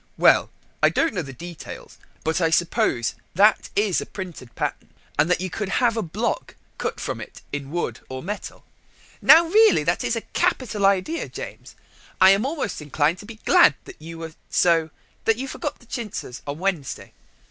"Well, I don't know the details, but I suppose that is a printed pattern, and that you could have a block cut from it in wood or metal." "Now, really, that is a capital idea, James. I am almost inclined to be glad that you were so that you forgot the chintzes on Monday.